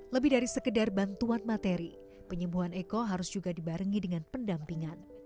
lebih dari sekedar bantuan materi penyembuhan eko harus juga dibarengi dengan pendampingan